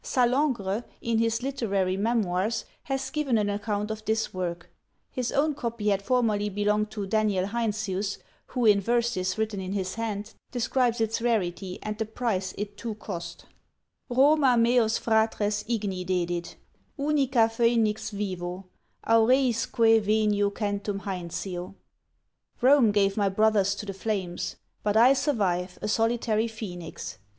Sallengre, in his literary Memoirs, has given an account of this work; his own copy had formerly belonged to Daniel Heinsius, who, in verses written in his hand, describes its rarity and the price it too cost: Roma meos fratres igni dedit, unica Phoenix Vivo, aureisque venio centum Heinsio. "Rome gave my brothers to the flames, but I survive a solitary Phoenix.